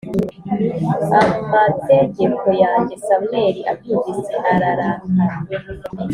amategeko yanjye Samweli abyumvise ararakara